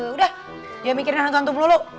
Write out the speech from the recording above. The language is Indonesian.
udah jangan mikirin hantu hantu dulu